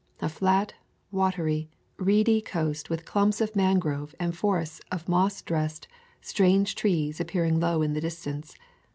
—a flat, watery, reedy coast, with clumps of mangrove and forests of moss dressed, strange trees appearing low inthe distance.